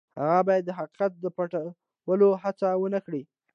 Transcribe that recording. هغه باید د حقیقت د پټولو هڅه ونه کړي.